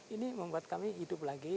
ini membuat kami hidup lagi